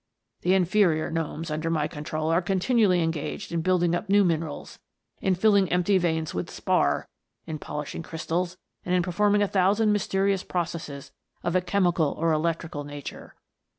The inferior gnomes under my control are conti nually engaged in building up new minerals, in fill ing empty veins with spar, in polishing crystals, and in performing a thousand mysterious processes of a chemical or electrical nature.